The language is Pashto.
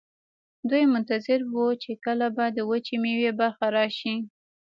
دوی منتظر وو چې کله به د وچې میوې برخه راشي.